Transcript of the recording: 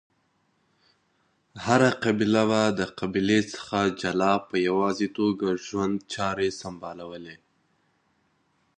هره قبیله به د قبیلی څخه جلا په یواځی توګه ژوند چاری سمبالولی